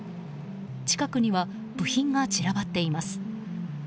近くには部品が散らばっています。